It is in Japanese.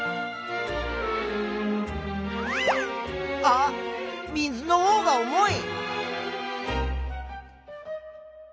あっ水のほうが重い！